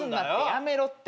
やめろって。